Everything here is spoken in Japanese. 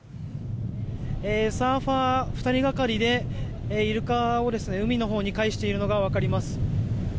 サーファー２人がかりでイルカを海のほうにかえしているのが分かります。